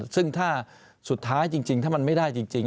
ซึ่งถ้าสุดท้ายจริงถ้ามันไม่ได้จริง